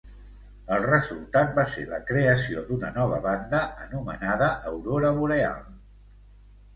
El resultat va ser la creació d’una nova banda anomenada aurora boreal.